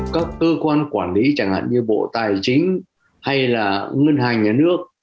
các cơ quan quản lý chẳng hạn như bộ tài chính hay là ngân hàng nhà nước